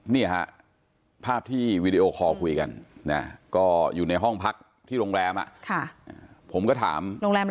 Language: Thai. นี่ภาพที่วีดีโอคอร์คุยกันก็อยู่ในห้องพักที่โรงแรมผมก็ถาม